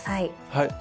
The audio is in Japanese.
はい。